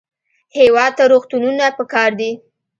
هېواد ته روغتونونه پکار دي